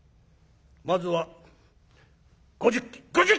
まずは５０金」。